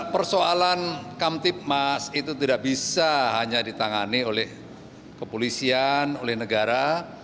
persoalan kamtipmas itu tidak bisa hanya ditangani oleh kepolisian oleh negara